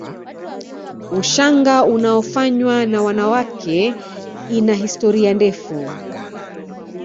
Ushanga unaofanywa na wanawake ina historia ndefu